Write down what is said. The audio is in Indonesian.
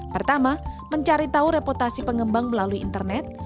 pertama mencari tahu reputasi pengembang melalui internet